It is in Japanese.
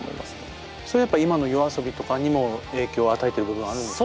それはやっぱ今のＹＯＡＳＯＢＩとかにも影響を与えてる部分はあるんですか？